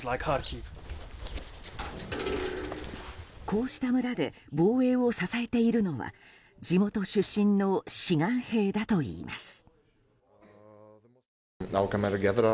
こうした村で防衛を支えているのは地元出身の志願兵だといいます。